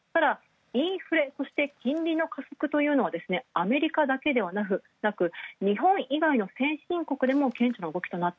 インフレ、金利の加速というのは、アメリカだけではなく、日本以外の先進国でも顕著な動き。